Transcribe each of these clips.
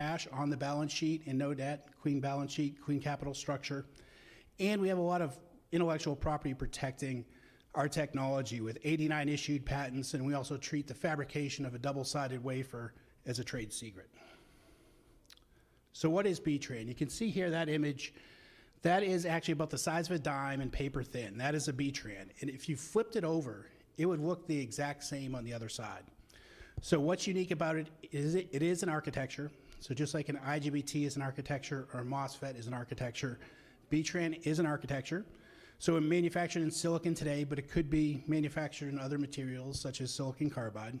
Cash on the balance sheet and no debt, clean balance sheet, clean capital structure. And we have a lot of intellectual property protecting our technology with 89 issued patents, and we also treat the fabrication of a double-sided wafer as a trade secret. So what is B-T? You can see here that image. That is actually about the size of a dime and paper thin. That is a B-Tran. And if you flipped it over, it would look the exact same on the other side. So what's unique about it is it is an architecture. So just like an IGBT is an architecture or a MOSFET is an architecture, B-Tran is an architecture. So we're manufacturing in silicon today, but it could be manufactured in other materials such as silicon carbide.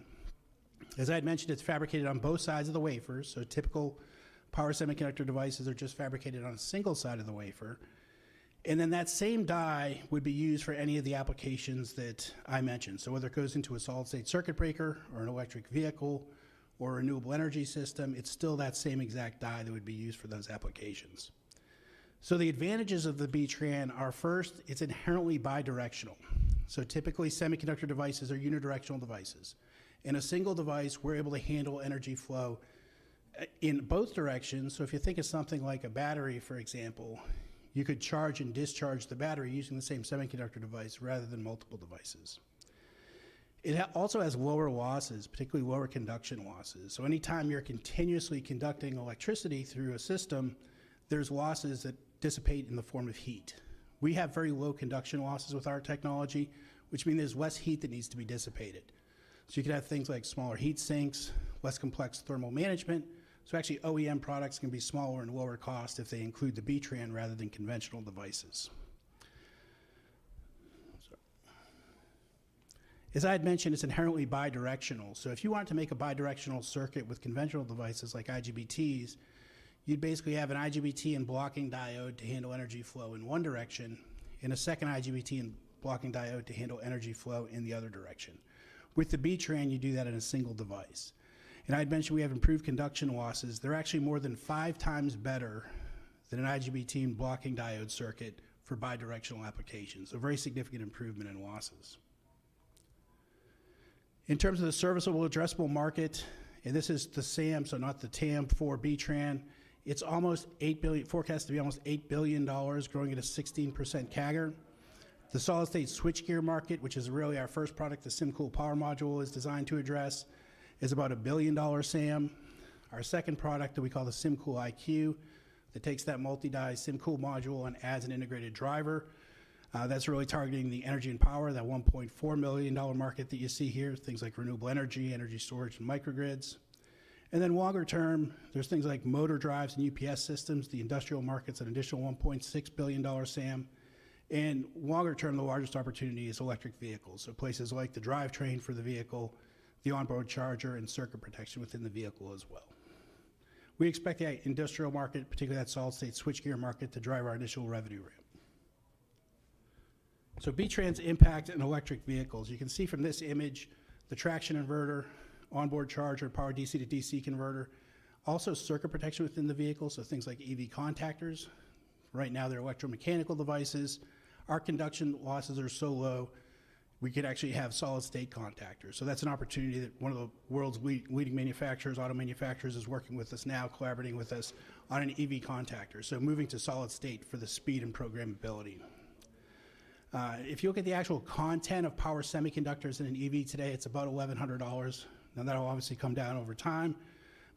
As I had mentioned, it's fabricated on both sides of the wafer. Typical power semiconductor devices are just fabricated on a single side of the wafer. And then that same die would be used for any of the applications that I mentioned. So whether it goes into a solid-state circuit breaker or an electric vehicle or a renewable energy system, it's still that same exact die that would be used for those applications. So the advantages of the B-Tran are first, it's inherently bi-directional. So typically, semiconductor devices are unidirectional devices. In a single device, we're able to handle energy flow in both directions. So if you think of something like a battery, for example, you could charge and discharge the battery using the same semiconductor device rather than multiple devices. It also has lower losses, particularly lower conduction losses. So anytime you're continuously conducting electricity through a system, there's losses that dissipate in the form of heat. We have very low conduction losses with our technology, which means there's less heat that needs to be dissipated. So you could have things like smaller heat sinks, less complex thermal management. So actually, OEM products can be smaller and lower cost if they include the B-Tran rather than conventional devices. As I had mentioned, it's inherently bi-directional. So if you wanted to make a bi-directional circuit with conventional devices like IGBTs, you'd basically have an IGBT and blocking diode to handle energy flow in one direction, and a second IGBT and blocking diode to handle energy flow in the other direction. With the B-Tran, you do that in a single device. And I had mentioned we have improved conduction losses. They're actually more than five times better than an IGBT and blocking diode circuit for bi-directional applications. A very significant improvement in losses. In terms of the serviceable addressable market, and this is the SAM, so not the TAM for B-Tran, it's almost forecast to be almost $8 billion, growing at a 16% CAGR. The solid-state switchgear market, which is really our first product, the SymCool power module is designed to address, is about a $1 billion SAM. Our second product that we call the SymCool IQ, that takes that multi-die SymCool module and adds an integrated driver. That's really targeting the energy and power, that $1.4 billion market that you see here, things like renewable energy, energy storage, and microgrids, and then longer term, there's things like motor drives and UPS systems, the industrial market's an additional $1.6 billion SAM. And longer term, the largest opportunity is electric vehicles, so places like the drivetrain for the vehicle, the onboard charger, and circuit protection within the vehicle as well. We expect the industrial market, particularly that solid-state switchgear market, to drive our initial revenue ramp. So B-TRAN impact in electric vehicles. You can see from this image the traction inverter, onboard charger, power DC-to-DC converter, also circuit protection within the vehicle. So things like EV contactors. Right now, they're electromechanical devices. Our conduction losses are so low, we could actually have solid-state contactors. So that's an opportunity that one of the world's leading manufacturers, auto manufacturers, is working with us now, collaborating with us on an EV contactor. So moving to solid-state for the speed and programmability. If you look at the actual content of power semiconductors in an EV today, it's about $1,100. Now, that'll obviously come down over time.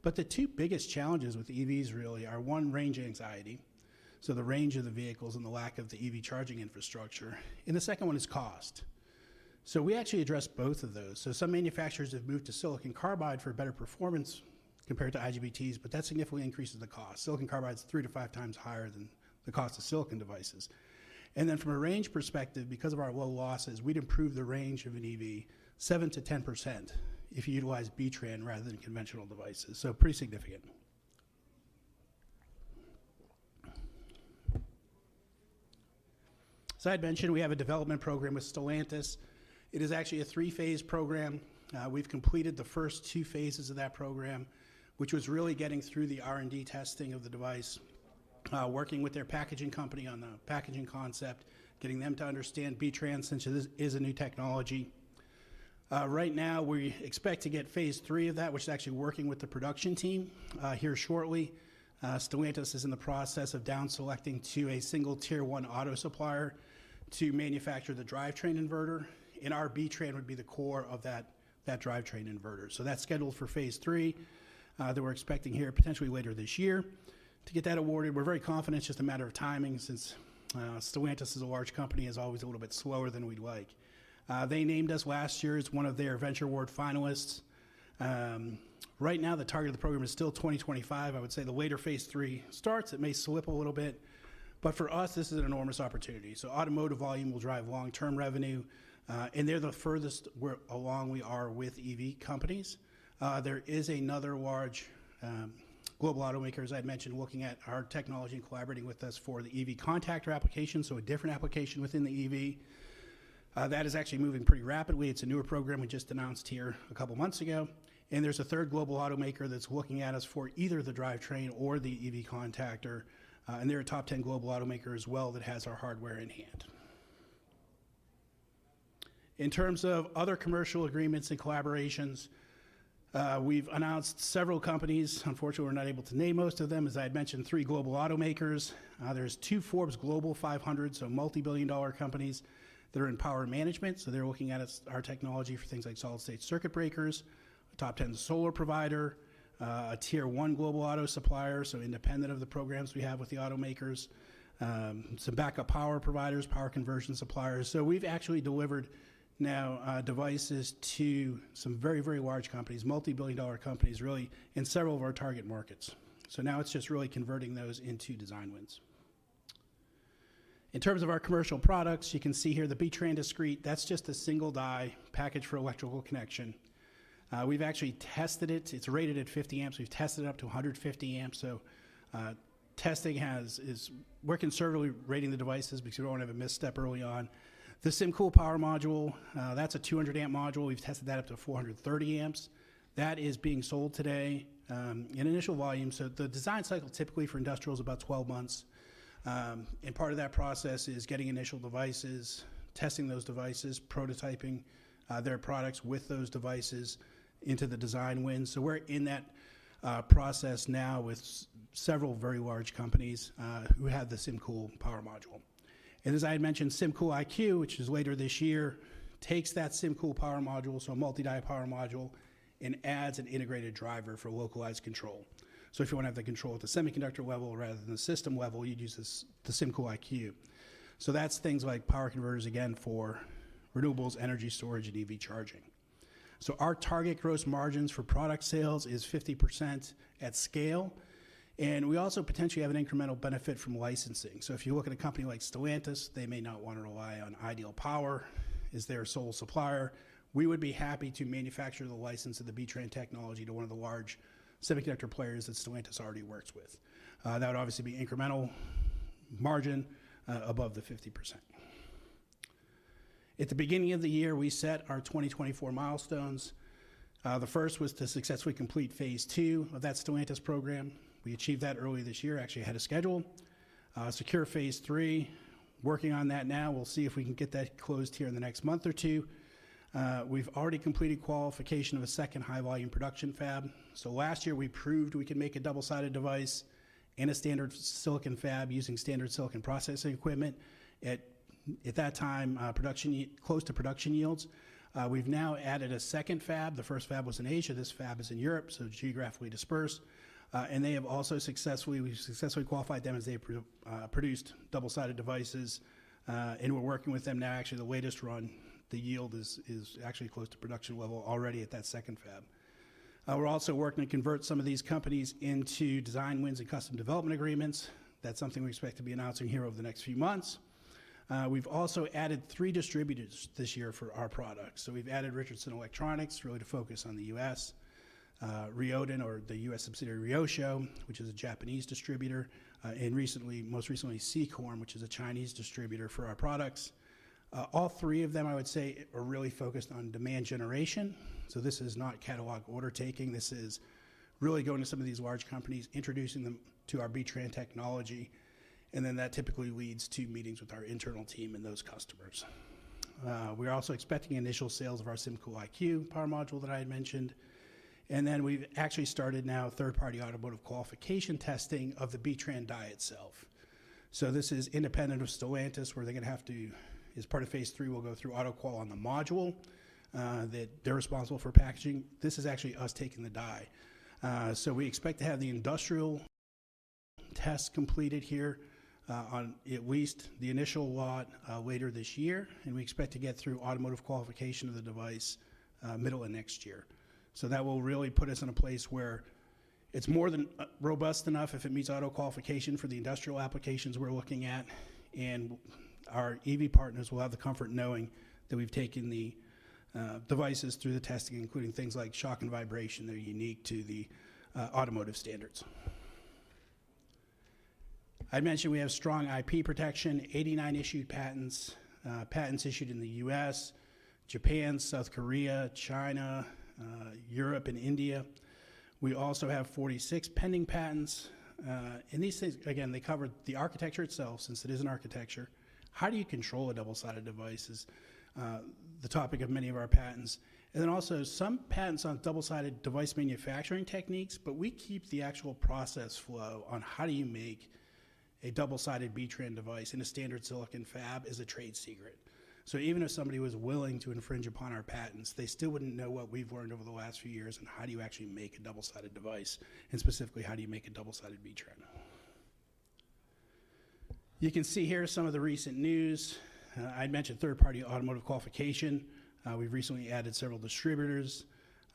But the two biggest challenges with EVs really are one, range anxiety. So the range of the vehicles and the lack of the EV charging infrastructure. The second one is cost. We actually address both of those. Some manufacturers have moved to Silicon Carbide for better performance compared to IGBTs, but that significantly increases the cost. Silicon Carbide's three to five times higher than the cost of silicon devices. From a range perspective, because of our low losses, we'd improve the range of an EV 7%-10% if you utilize B-TRAN rather than conventional devices. Pretty significant. As I had mentioned, we have a development program with Stellantis. It is actually a three-phase program. We've completed the first two phases of that program, which was really getting through the R&D testing of the device, working with their packaging company on the packaging concept, getting them to understand B-TRAN since it is a new technology. Right now, we expect to get phase three of that, which is actually working with the production team here shortly. Stellantis is in the process of down-selecting to a single tier one auto supplier to manufacture the drivetrain inverter, and our B-Tran would be the core of that drivetrain inverter, so that's scheduled for phase three that we're expecting here potentially later this year to get that awarded. We're very confident it's just a matter of timing since Stellantis is a large company, is always a little bit slower than we'd like. They named us last year as one of their venture award finalists. Right now, the target of the program is still 2025. I would say the later phase three starts. It may slip a little bit, but for us, this is an enormous opportunity, so automotive volume will drive long-term revenue. And they're the furthest along we are with EV companies. There is another large global automaker, as I had mentioned, looking at our technology and collaborating with us for the EV contactor application. So a different application within the EV. That is actually moving pretty rapidly. It's a newer program we just announced here a couple of months ago. And there's a third global automaker that's looking at us for either the drivetrain or the EV contactor. And they're a top 10 global automaker as well that has our hardware in hand. In terms of other commercial agreements and collaborations, we've announced several companies. Unfortunately, we're not able to name most of them. As I had mentioned, three global automakers. There's two Forbes Global 500, so multi-billion-dollar companies that are in power management. So they're looking at our technology for things like solid-state circuit breakers, a top 10 solar provider, a tier one global auto supplier, so independent of the programs we have with the automakers, some backup power providers, power conversion suppliers. So we've actually delivered now devices to some very, very large companies, multi-billion-dollar companies, really, in several of our target markets. So now it's just really converting those into design wins. In terms of our commercial products, you can see here the B-Tran discrete. That's just a single die package for electrical connection. We've actually tested it. It's rated at 50 amps. We've tested it up to 150 amps. So testing we're conservatively rating the devices because we don't want to have a misstep early on. The SymCool power module, that's a 200-amp module. We've tested that up to 430 amps. That is being sold today in initial volume. So the design cycle typically for industrial is about 12 months. And part of that process is getting initial devices, testing those devices, prototyping their products with those devices into the design wins. So we're in that process now with several very large companies who have the SymCool power module. And as I had mentioned, SymCool IQ, which is later this year, takes that SymCool power module, so a multi-die power module, and adds an integrated driver for localized control. So if you want to have the control at the semiconductor level rather than the system level, you'd use the SymCool IQ. So that's things like power converters, again, for renewables, energy storage, and EV charging. So our target gross margins for product sales is 50% at scale. And we also potentially have an incremental benefit from licensing. If you look at a company like Stellantis, they may not want to rely on Ideal Power as their sole supplier. We would be happy to manufacture the license of the B-Tran technology to one of the large semiconductor players that Stellantis already works with. That would obviously be incremental margin above the 50%. At the beginning of the year, we set our 2024 milestones. The first was to successfully complete phase two of that Stellantis program. We achieved that early this year, actually ahead of schedule. Secure phase three, working on that now. We'll see if we can get that closed here in the next month or two. We've already completed qualification of a second high-volume production fab. Last year, we proved we could make a double-sided device and a standard silicon fab using standard silicon processing equipment. At that time, close to production yields. We've now added a second fab. The first fab was in Asia. This fab is in Europe, so geographically dispersed. We've successfully qualified them as they produced double-sided devices. We're working with them now. Actually, the latest run, the yield is actually close to production level already at that second fab. We're also working to convert some of these companies into design wins and custom development agreements. That's something we expect to be announcing here over the next few months. We've also added three distributors this year for our products. We've added Richardson Electronics, really to focus on the U.S., Ryoden, or the U.S. subsidiary Ryosho, which is a Japanese distributor, and most recently, Sekorm, which is a Chinese distributor for our products. All three of them, I would say, are really focused on demand generation. This is not catalog order taking. This is really going to some of these large companies, introducing them to our B-Tran technology, and then that typically leads to meetings with our internal team and those customers. We're also expecting initial sales of our SymCool IQ power module that I had mentioned, and then we've actually started now third-party automotive qualification testing of the B-Tran die itself, so this is independent of Stellantis, where they're going to have to, as part of phase three, we'll go through auto qual on the module that they're responsible for packaging. This is actually us taking the die, so we expect to have the industrial test completed here on at least the initial lot later this year, and we expect to get through automotive qualification of the device middle of next year. So that will really put us in a place where it's more than robust enough if it meets auto qualification for the industrial applications we're looking at. And our EV partners will have the comfort knowing that we've taken the devices through the testing, including things like shock and vibration that are unique to the automotive standards. I had mentioned we have strong IP protection, 89 issued patents, patents issued in the U.S., Japan, South Korea, China, Europe, and India. We also have 46 pending patents. And these things, again, they cover the architecture itself since it is an architecture. How do you control a double-sided device is the topic of many of our patents. And then also some patents on double-sided device manufacturing techniques. But we keep the actual process flow on how do you make a double-sided B-Tran device in a standard silicon fab is a trade secret. So even if somebody was willing to infringe upon our patents, they still wouldn't know what we've learned over the last few years on how do you actually make a double-sided device and specifically how do you make a double-sided B-Tran. You can see here some of the recent news. I had mentioned third-party automotive qualification. We've recently added several distributors.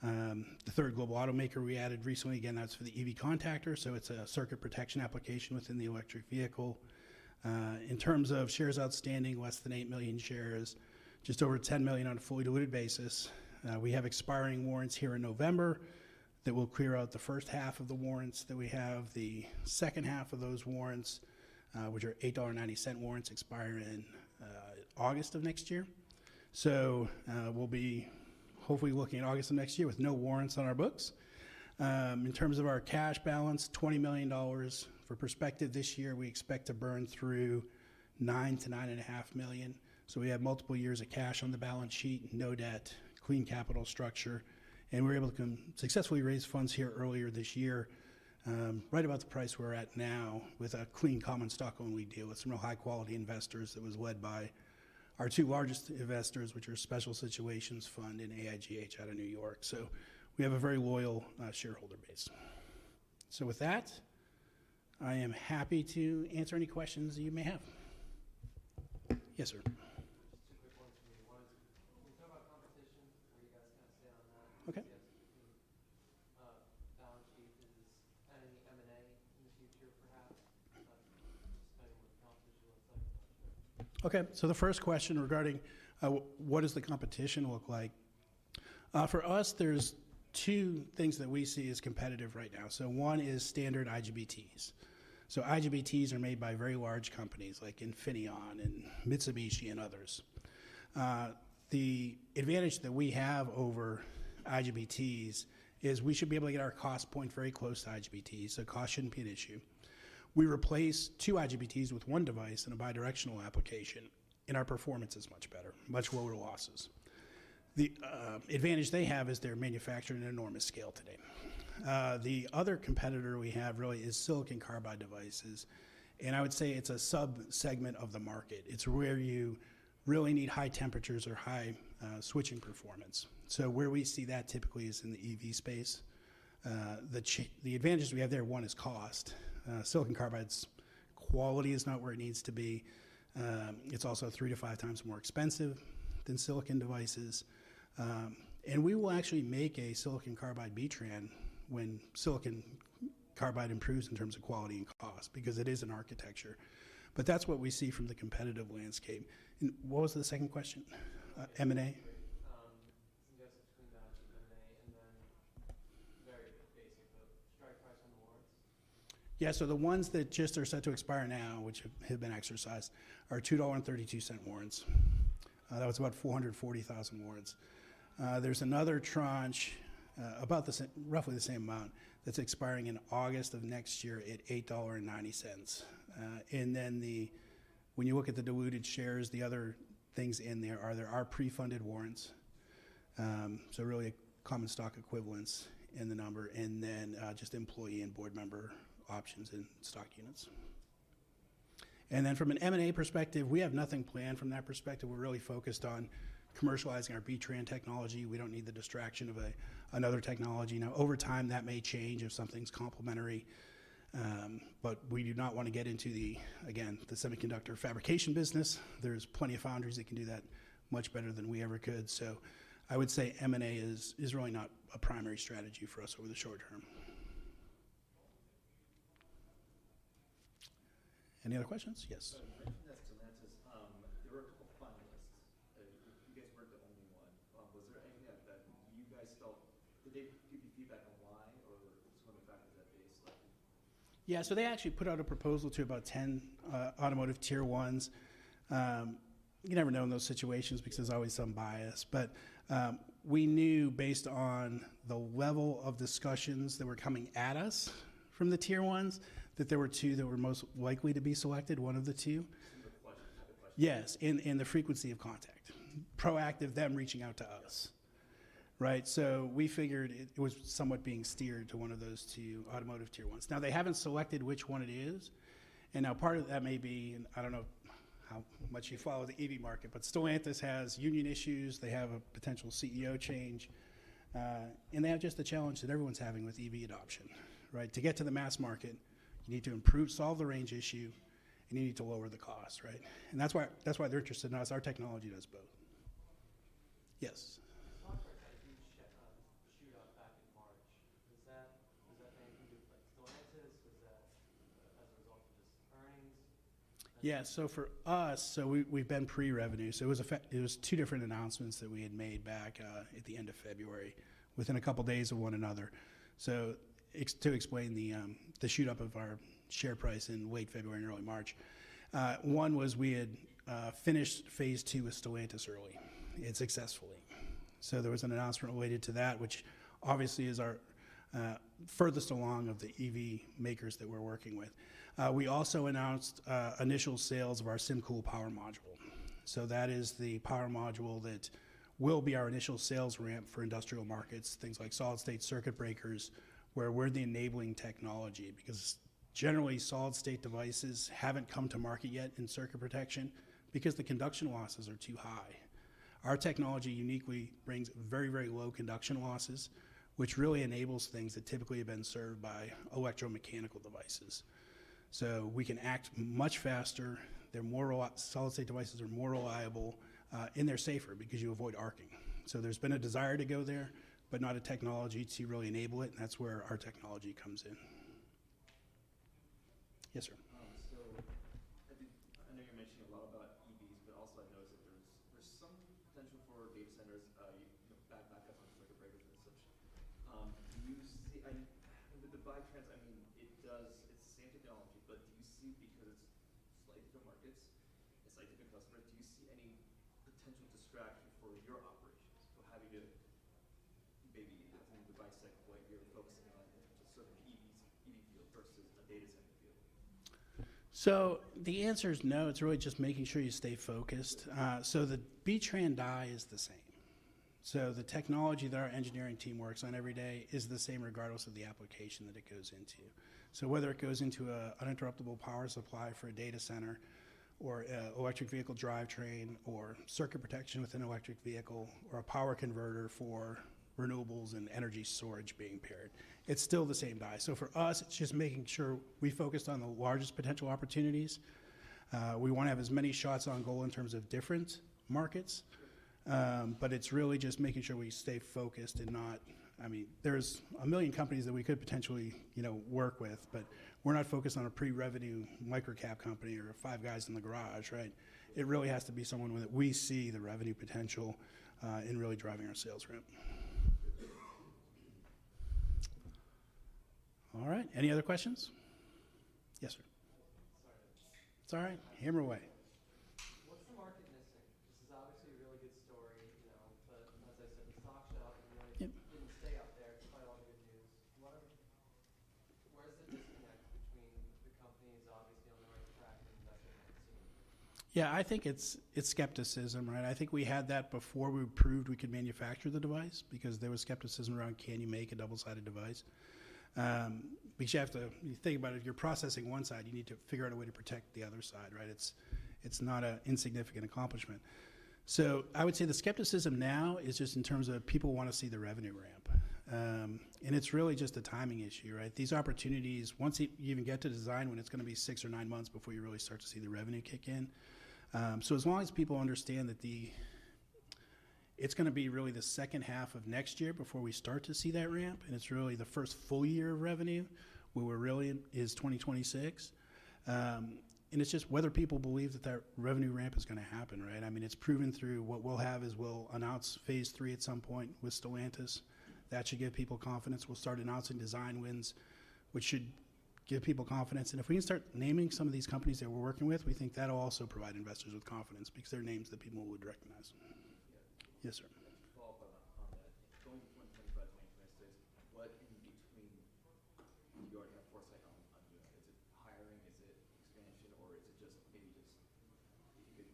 The third global automaker we added recently, again, that's for the EV contactor. So it's a circuit protection application within the electric vehicle. In terms of shares outstanding, less than 8 million shares, just over 10 million on a fully diluted basis. We have expiring warrants here in November that will clear out the first half of the warrants that we have, the second half of those warrants, which are $8.90 warrants, expiring in August of next year. So we'll be hopefully looking at August of next year with no warrants on our books. In terms of our cash balance, $20 million for prospective this year, we expect to burn through $9-$9.5 million. So we have multiple years of cash on the balance sheet, no debt, clean capital structure. And we were able to successfully raise funds here earlier this year, right about the price we're at now with a clean common stock only deal with some real high-quality investors that was led by our two largest investors, which are Special Situations Fund and AIGH out of New York. So we have a very loyal shareholder base. So with that, I am happy to answer any questions that you may have. Yes, sir. Just a quick one for me. We'll talk about competition. How you guys kind of stay on that. Balance sheet is any M&A in the future, perhaps? Just kind of what the competition looks like for us. Okay. So the first question regarding what does the competition look like? For us, there's two things that we see as competitive right now. So one is standard IGBTs. So IGBTs are made by very large companies like Infineon and Mitsubishi and others. The advantage that we have over IGBTs is we should be able to get our cost point very close to IGBTs. So cost shouldn't be an issue. We replace two IGBTs with one device in a bidirectional application, and our performance is much better, much lower losses. The advantage they have is they're manufacturing at enormous scale today. The other competitor we have really is silicon carbide devices. And I would say it's a subsegment of the market. It's where you really need high temperatures or high switching performance. So where we see that typically is in the EV space. The advantages we have there, one is cost. Silicon carbide's quality is not where it needs to be. It's also three to five times more expensive than silicon devices. And we will actually make a silicon carbide B-Tran when silicon carbide improves in terms of quality and cost because it is an architecture. But that's what we see from the competitive landscape. And what was the second question? M&A? Suggested between balance sheet, M&A, and then very basic, but strike price on the warrants? Yeah. So the ones that just are set to expire now, which have been exercised, are $2.32 warrants. That was about 440,000 warrants. There's another tranche, roughly the same amount, that's expiring in August of next year at $8.90. Then when you look at the diluted shares, the other things in there are pre-funded warrants. So really common stock equivalents in the number. And then just employee and board member options and stock units. And then from an M&A perspective, we have nothing planned from that perspective. We're really focused on commercializing our B-Tran technology. We don't need the distraction of another technology. Now, over time, that may change if something's complementary. But we do not want to get into, again, the semiconductor fabrication business. There's plenty of foundries that can do that much better than we ever could. So I would say M&A is really not a primary strategy for us over the short term. Any other questions? Yes. My question is to Stellantis. There were a couple of finalists. You guys weren't the only one. Was there anything that you guys felt? Did they give you feedback on why or some of the factors that they selected? Yeah, so they actually put out a proposal to about 10 automotive tier ones. You never know in those situations because there's always some bias, but we knew based on the level of discussions that were coming at us from the tier ones that there were two that were most likely to be selected, one of the two. The question type of question? Yes, and the frequency of contact. Proactive them reaching out to us, right, so we figured it was somewhat being steered to one of those two automotive tier ones. Now, they haven't selected which one it is, and now part of that may be, and I don't know how much you follow the EV market, but Stellantis has union issues. They have a potential CEO change. They have just the challenge that everyone's having with EV adoption, right? To get to the mass market, you need to solve the range issue, and you need to lower the cost, right? That's why they're interested in us. Our technology does both. Yes. The shoot-up back in March, was that anything to do with Stellantis? Was that as a result of the earnings? Yeah. For us, we've been pre-revenue. It was two different announcements that we had made back at the end of February, within a couple of days of one another. To explain the shoot-up of our share price in late February and early March, one was we had finished phase two with Stellantis early and successfully. So there was an announcement related to that, which obviously is our furthest along of the EV makers that we're working with. We also announced initial sales of our SymCool power module. So that is the power module that will be our initial sales ramp for industrial markets, things like solid-state circuit breakers, where we're the enabling technology because generally solid-state devices haven't come to market yet in circuit protection because the conduction losses are too high. Our technology uniquely brings very, very low conduction losses, which really enables things that typically have been served by electromechanical devices. So we can act much faster. Solid-state devices are more reliable, and they're safer because you avoid arcing. So there's been a desire to go there, but not a technology to really enable it. And that's where our technology comes in. Yes, sir. So I know you're mentioning a lot about EVs, but also I noticed that there's some potential for data centers, backups on circuit breakers and such. Do you see the B-TRAN? I mean, it's the same technology, but do you see, because it's sliding through markets and sliding through customers, do you see any potential distraction for your operations? So having to maybe have something to dissect what you're focusing on in terms of sort of the EV field versus a data center field? So the answer is no. It's really just making sure you stay focused. So the B-TRAN die is the same. So the technology that our engineering team works on every day is the same regardless of the application that it goes into. So whether it goes into an uninterruptible power supply for a data center or electric vehicle drivetrain or circuit protection with an electric vehicle or a power converter for renewables and energy storage being paired, it's still the same die. So for us, it's just making sure we focus on the largest potential opportunities. We want to have as many shots on goal in terms of different markets. But it's really just making sure we stay focused and not, I mean, there's a million companies that we could potentially work with, but we're not focused on a pre-revenue microcap company or five guys in the garage, right? It really has to be someone that we see the revenue potential in really driving our sales ramp. All right. Any other questions? Yes, sir. Sorry. Hammer away. What's the market missing? This is obviously a really good story. But as I said, the stock shot really didn't stay out there. Quite a lot of good news. Where's the disconnect between the company is obviously on the right track and investors aren't seeing it? Yeah. I think it's skepticism, right? I think we had that before we proved we could manufacture the device because there was skepticism around, can you make a double-sided device? Because you have to think about it. If you're processing one side, you need to figure out a way to protect the other side, right? It's not an insignificant accomplishment. So I would say the skepticism now is just in terms of people want to see the revenue ramp. And it's really just a timing issue, right? These opportunities, once you even get to design, when it's going to be six or nine months before you really start to see the revenue kick in. So, as long as people understand that it's going to be really the second half of next year before we start to see that ramp. And it's really the first full year of revenue where we're really is 2026. And it's just whether people believe that that revenue ramp is going to happen, right? I mean, it's proven through what we'll have is we'll announce phase three at some point with Stellantis. That should give people confidence. We'll start announcing design wins, which should give people confidence. And if we can start naming some of these companies that we're working with, we think that'll also provide investors with confidence because their names that people would recognize. Yes, sir. Follow-up on that. Going 2025, 2026, what in between do you already have foresight on doing? Is it hiring? Is it expansion? Or is it just maybe if you could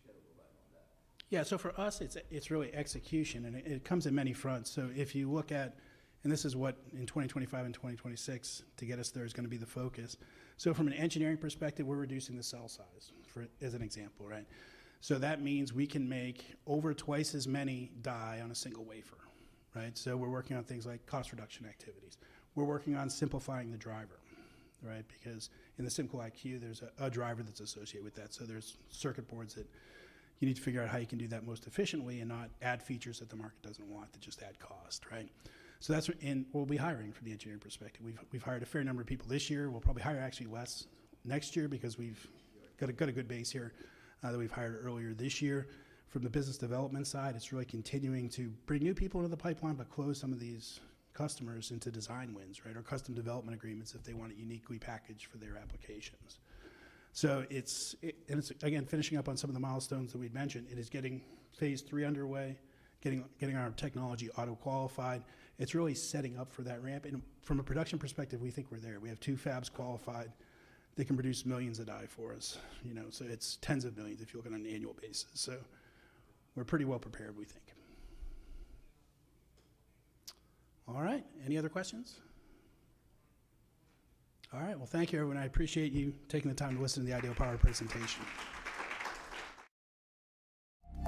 shed a little light on that? Yeah. So for us, it's really execution. And it comes in many fronts. So if you look at, and this is what, in 2025 and 2026, to get us there, is going to be the focus. So from an engineering perspective, we're reducing the cell size as an example, right? So that means we can make over twice as many die on a single wafer, right? So we're working on things like cost reduction activities. We're working on simplifying the driver, right? Because in the SymCool IQ, there's a driver that's associated with that. So there's circuit boards that you need to figure out how you can do that most efficiently and not add features that the market doesn't want that just add cost, right? And we'll be hiring from the engineering perspective. We've hired a fair number of people this year. We'll probably hire actually less next year because we've got a good base here that we've hired earlier this year. From the business development side, it's really continuing to bring new people into the pipeline, but close some of these customers into design wins, right? Or custom development agreements if they want it uniquely packaged for their applications, and again, finishing up on some of the milestones that we'd mentioned, it is getting phase three underway, getting our technology auto-qualified. It's really setting up for that ramp, and from a production perspective, we think we're there. We have two fabs qualified. They can produce millions of die for us, so it's tens of millions if you look on an annual basis. So we're pretty well prepared, we think. All right. Any other questions? All right, well, thank you, everyone. I appreciate you taking the time to listen to the Ideal Power presentation.